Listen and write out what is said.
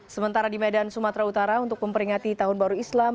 sementara di medan sumatera utara untuk memperingati tahun baru islam